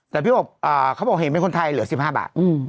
แต่พี่อบเขาบอกเห็นเป็นคนไทยเหลือ๑๕บาท